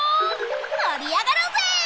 もりあがろうぜ！